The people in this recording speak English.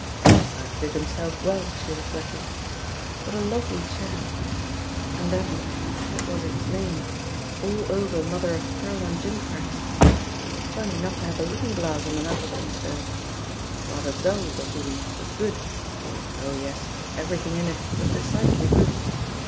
Forsyth did himself well, she reflected. What a lovely chair! And that — ^what was its name ?— ^all over mother of pearl and gimcracks I THE POSITION OF PEGGY HARPER «47 Funny not to have a looking glass on the mantel piece, though. Rather dull, the room, but good; oh yes, everything in it was decidedly good.